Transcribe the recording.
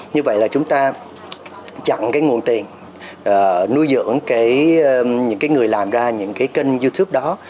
như vậy là chúng ta chặn nguồn tiền nuôi dưỡng những người làm ra những kênh youtube đó